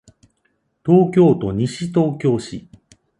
東京都西東京市